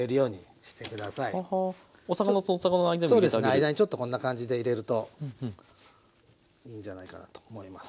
間にちょっとこんな感じで入れるといいんじゃないかなと思います。